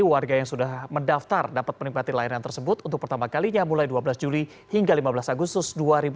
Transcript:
warga yang sudah mendaftar dapat menikmati layanan tersebut untuk pertama kalinya mulai dua belas juli hingga lima belas agustus dua ribu dua puluh